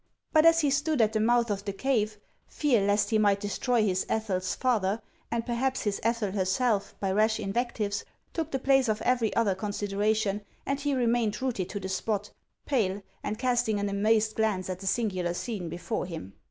But as he stood at the mouth of the cave, tear lest he might destroy his Ethel's father, and perhaps his Ethel herself, by rash invectives, took the place of every other consideration, and he remained rooted to the spot, pale, and casting an amazed glance at the singular scene before him.